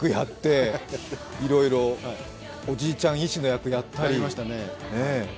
いろいろ、おじいちゃん医師の役をやったり。